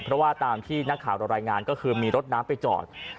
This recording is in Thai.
เพราะว่าตามที่นักข่าวเรารายงานก็คือมีรถน้ำไปจอด